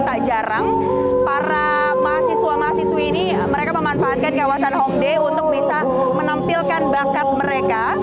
tak jarang para mahasiswa mahasiswi ini mereka memanfaatkan kawasan hongday untuk bisa menampilkan bakat mereka